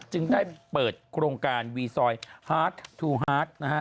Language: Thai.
จึงได้เปิดโครงการวีซอยฮาร์ดทูฮาร์ดนะฮะ